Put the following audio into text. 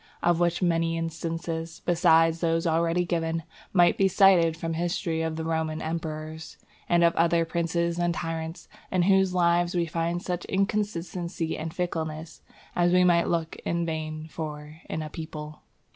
Of which many instances, besides those already given, might be cited from the history of the Roman emperors, and of other princes and tyrants, in whose lives we find such inconstancy and fickleness, as we might look in vain for in a people.